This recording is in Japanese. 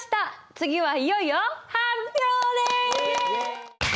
次はいよいよ発表です！